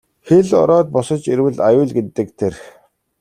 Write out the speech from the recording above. Хэл ороод босож ирвэл аюул гэдэг тэр.